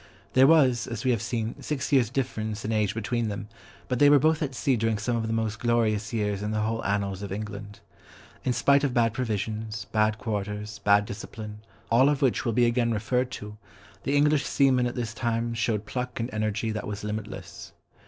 There was, as we have seen, six years' difference in age between them, but they were both at sea during some of the most glorious years in the whole annals of England. In spite of bad provisions, bad quarters, bad discipline, all of which will be again referred to, the English seamen at this time showed pluck and energy that was limitless.